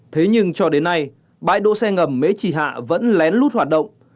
thế nhưng cho đến nay bãi đỗ xe ngầm mễ trì hạ vẫn lén lút hoạt động